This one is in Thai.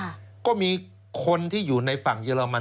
เอ๊ทำถูกกฎหมายแล้วมีการกวาดล้างที่สุดในประวัติศาสตร์ของเยอรมัน